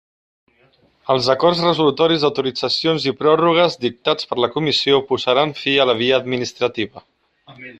Els acords resolutoris d'autoritzacions i pròrrogues dictats per la Comissió posaran fi a la via administrativa.